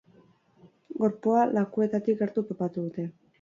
Gorpua lakuetatik gertu topatu dute.